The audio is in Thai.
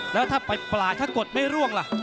แล้วถ้าไปปลาถ้ากดไม่ร่วงล่ะ